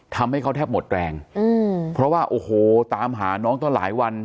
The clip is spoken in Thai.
ทำให้เขาแทบหมดแรงอืมเพราะว่าโอ้โหตามหาน้องต้องหลายวัน